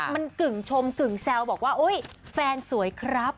มันกึ่งชมกึ่งแซวบอกว่าอุ๊ยแฟนสวยครับ